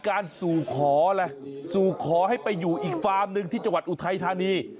การสู่ขออะไรสู่ขอให้ไปอยู่อีกฟาร์มหนึ่งที่จังหวัดอุทัยธานี